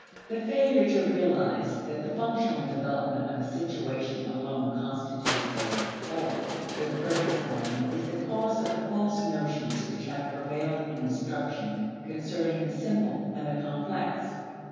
The failure to realize that the functional development of a situation alone constitutes a "whole" for the purpose of mind is the cause of the false notions which have prevailed in instruction concerning the simple and the complex.